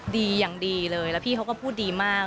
ดีอย่างดีเลยแล้วพี่เขาก็พูดดีมาก